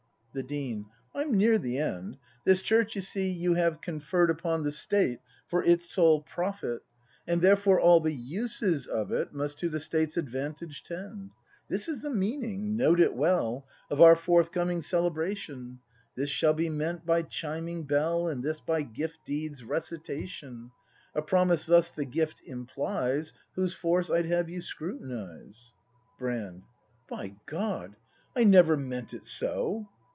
The Dean. I'm near the end. This Church, you see, you have conferr'd Upon the State, for its sole profit; 238 BRAND [act v And, therefore, all the uses of it Must to the State's advantage tend. This is the meaning, note it well. Of our forthcoming celebration. This shall be meant by chiming bell. And this by Gift deed's recitation. A promise thus the Gift implies. Whose force I'd have you scrutinise ■ Brand. By God, I never meant it so!